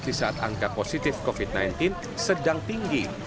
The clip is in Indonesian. di saat angka positif covid sembilan belas sedang tinggi